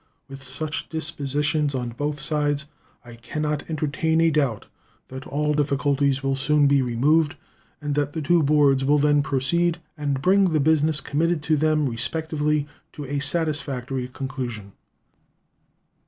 With such dispositions on both sides, I can not entertain a doubt that all difficulties will soon be removed and that the two boards will then proceed and bring the business committed to them respectively to a satisfactory conclusion.